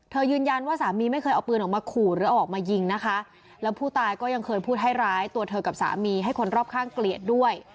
ยืนยันว่าสามีไม่เคยเอาปืนออกมาขู่หรือเอาออกมายิงนะคะแล้วผู้ตายก็ยังเคยพูดให้ร้ายตัวเธอกับสามีให้คนรอบข้างเกลียดด้วย